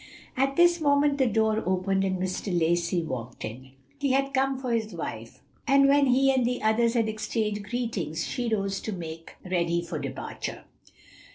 At this moment the door opened, and Mr. Lacey walked in. He had come for his wife, and when he and the others had exchanged greetings, she rose to make ready for departure.